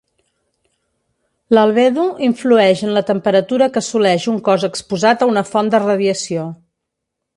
L'albedo influeix en la temperatura que assoleix un cos exposat a una font de radiació.